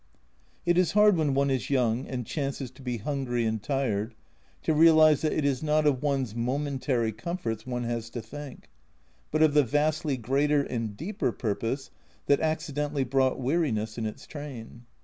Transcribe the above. It is hard when one is young, and chances to be hungry and tired, to realise that it is not of one's momentary comforts one has to think, but of the vastly greater and deeper purpose that accidentally brought weariness in its train.